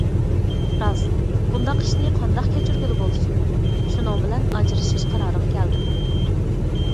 راست، بۇنداق ئىشنى قانداق كەچۈرگىلى بولسۇن؟ شۇنىڭ بىلەن ئاجرىشىش قارارىغا كەلدىم.